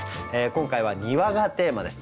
今回は「庭」がテーマです。